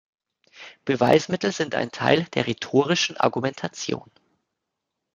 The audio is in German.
Beweismittel sind ein Teil der rhetorischen Argumentation.